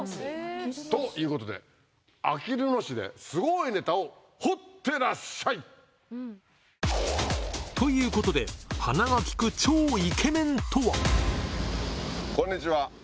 ということであきる野市ですごいネタを掘ってらっしゃい！ということで鼻が利く超イケメンとは？